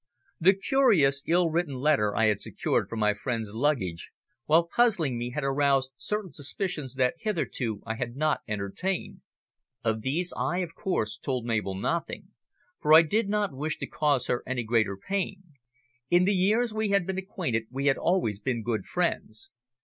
The curious, ill written letter I had secured from my friend's luggage, while puzzling me had aroused certain suspicions that hitherto I had not entertained. Of these I, of course, told Mabel nothing, for I did not wish to cause her any greater pain. In the years we had been acquainted we had always been good friends.